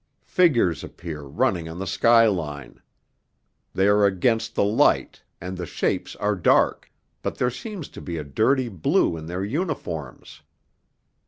Figures appear running on the skyline. They are against the light, and the shapes are dark, but there seems to be a dirty blue in their uniforms.